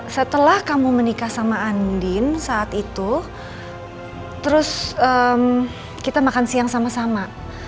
setelah kamu menikah sama andin saat itu terus kita makan siang sama sama